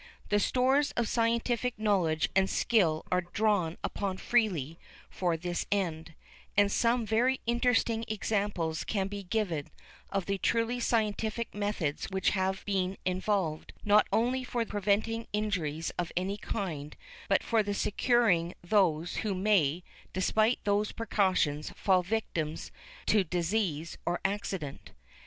The stores of scientific knowledge and skill are drawn upon freely for this end, and some very interesting examples can be given of the truly scientific methods which have been evolved, not only for preventing injuries of any kind, but for succouring those who may, despite those precautions, fall victims to disease or accident.